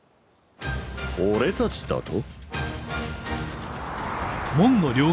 「俺たち」だと？